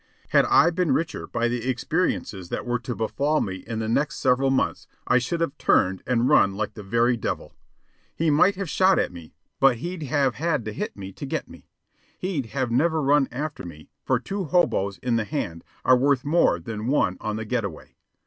Had I been richer by the experiences that were to befall me in the next several months, I should have turned and run like the very devil. He might have shot at me, but he'd have had to hit me to get me. He'd have never run after me, for two hoboes in the hand are worth more than one on the get away.